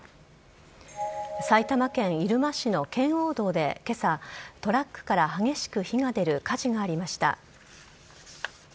埼玉県入間市の圏央道で今朝、トラックから激しく火が出る火事がありました。